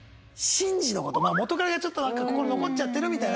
慎二の事元カレがちょっと心に残っちゃってるみたいな。